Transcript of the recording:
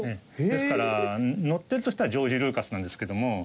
ですから載ってるとしたらジョージ・ルーカスなんですけども。